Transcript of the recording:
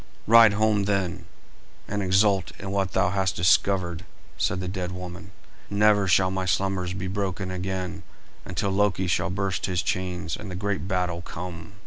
"Ride home, then, and exult in what thou hast discovered," said the dead woman. "Never shall my slumbers be broken again until Loki shall burst his chains and the great battle come."